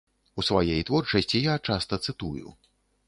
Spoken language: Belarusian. У сваёй творчасці я часта цытую.